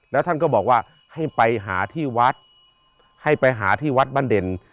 แล้วท่านก็บอกว่าให้ไปหาที่วัดให้ไปหาที่วัดบ้านเด่น